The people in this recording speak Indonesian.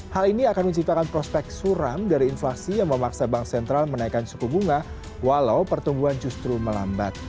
hal ini akan menciptakan prospek suram dari inflasi yang memaksa bank sentral menaikkan suku bunga walau pertumbuhan justru melambat